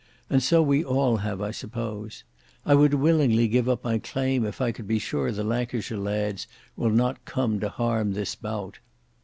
And so we all have I suppose. I would willingly give up my claim if I could be sure the Lancashire lads will not come to harm this bout."